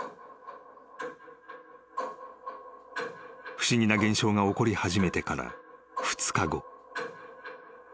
［不思議な現象が起こり始めてから２日後］